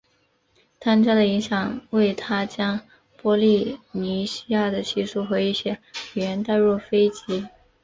汤加的影响为他将波利尼西亚的习俗和一些语言带入斐济。